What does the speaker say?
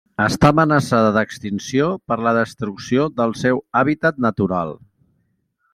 Està amenaçada d'extinció per la destrucció del seu hàbitat natural.